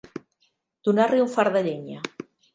Donar-li un fart de llenya.